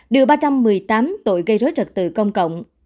điều ba trăm một mươi tám tội gây rối trật tự công cộng